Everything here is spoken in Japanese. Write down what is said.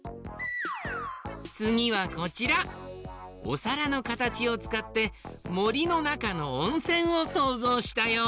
おさらのかたちをつかってもりのなかのおんせんをそうぞうしたよ。